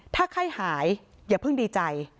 ถ้าไข้หายอย่าเพิ่งดีใจ